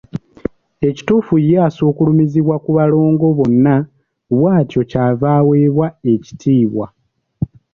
Ekituufu ye asukkulumizibwa ku balongo bonna bw’atyo ky’ava aweebwa ekitiibwa.